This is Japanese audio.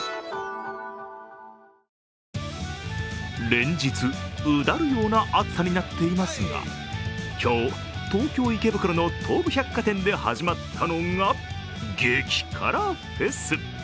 連日、うだるような暑さになっていますが今日、東京・池袋の東武百貨店で始まったのが激辛フェス。